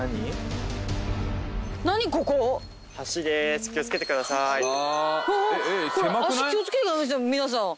これ足気を付けてください皆さん。